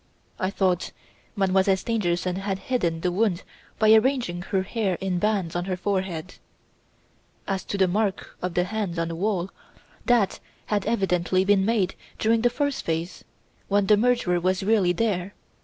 I thought Mademoiselle Stangerson had hidden the wound by arranging her hair in bands on her forehead. "As to the mark of the hand on the wall, that had evidently been made during the first phase when the murderer was really there.